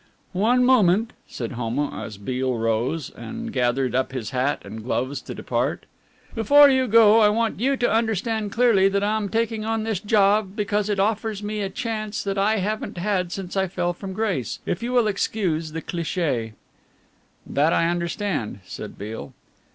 "One moment," said Homo, as Beale rose and gathered up his hat and gloves to depart. "Before you go I want you to understand clearly that I am taking on this job because it offers me a chance that I haven't had since I fell from grace, if you will excuse the cliché." "That I understand," said Beale.